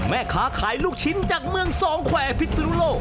แม่ค้าขายลูกชิ้นจากเมืองสองแควร์พิศนุโลก